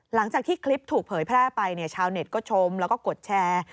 หลังจากที่คลิปถูกเผยแพร่ไปชาวเน็ตก็ชมแล้วก็กดแชร์